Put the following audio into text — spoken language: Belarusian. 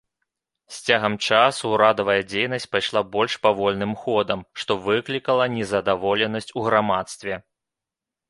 З цягам часу ўрадавая дзейнасць пайшла больш павольным ходам, што выклікала незадаволенасць у грамадстве.